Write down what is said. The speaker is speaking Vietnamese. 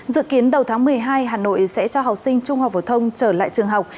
dự kiến đầu tháng một mươi hai hà nội sẽ cho học sinh trung học phổ thông trở lại trường học